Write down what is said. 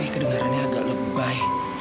kedengarannya agak lebay